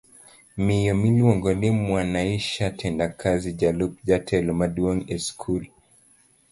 Miyo miluongo ni Mwanaisha Tendakazi jalup jatelo maduong' eskul